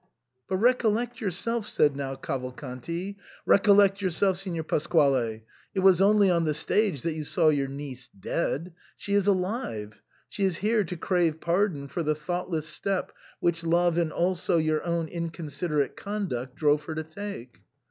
" But recollect yourself," said now Cavalcanti, " recol lect yourself, Signor Pasquale, it was only on the stage that you saw your niece dead. She is alive ; she is here to crave pardon for the thoughtless step which love and also your own inconsiderate conduct drove her to take."